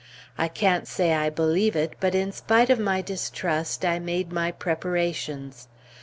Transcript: I can't say I believe it, but in spite of my distrust, I made my preparations.